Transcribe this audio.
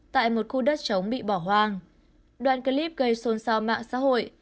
tại một khu đất chống bị bỏ hoang đoạn clip gây xôn xao mạng xã hội